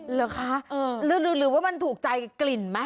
เหรอคะหรือว่ามันถูกใจกลิ่นไหม